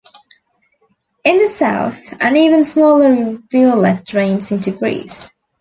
In the south, an even smaller rivulet drains into Greece.